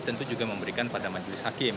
tentu juga memberikan pada majelis hakim